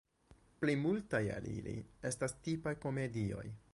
Plej multaj el ili estas tipaj komedioj.